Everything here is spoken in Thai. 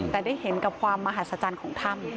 แต่ได้เห็นกับความมหัศจรรย์ของถ้ำ